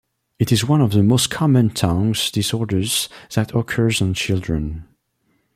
It is one of the most common tongue disorders that occurs in children.